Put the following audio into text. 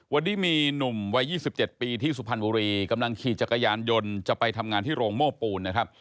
วันนี้มีหนุ่มวัย๒๗ปีที่สุพรรณบุรีกำลังขี่จักรยานยนต์จะไปทำงานที่โรงโม่ปูนนะครับ